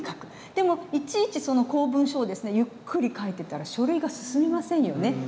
でもいちいち公文書をゆっくり書いてたら書類が進みませんよね。